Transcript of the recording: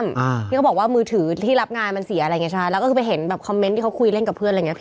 อ่าที่เขาบอกว่ามือถือที่รับงานมันเสียอะไรอย่างเงี้ใช่แล้วก็คือไปเห็นแบบคอมเมนต์ที่เขาคุยเล่นกับเพื่อนอะไรอย่างเงี้พี่